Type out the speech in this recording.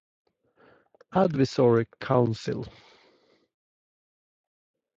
Advisory Council.